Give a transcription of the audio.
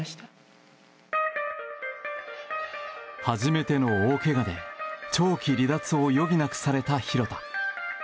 初めての大けがで長期離脱を余儀なくされた廣田。